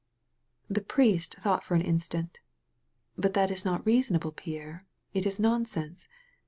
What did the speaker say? The priest thought for an instant. "But that is not reasonable, Pierre. It is nonsense.